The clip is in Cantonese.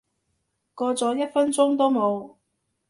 過咗一分鐘都冇